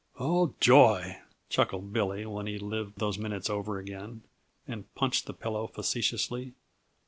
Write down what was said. "Oh, joy!" chuckled Billy when he lived those minutes over again, and punched the pillow facetiously.